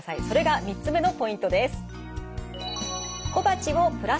それが３つ目のポイントです。